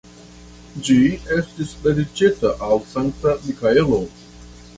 Ĝi estis dediĉita al Sankta Mikaelo.